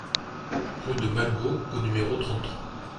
Rue de Malbos au numéro trente-trois